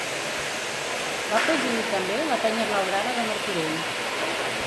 Va presidir també la Penya Blaugrana de Martorell.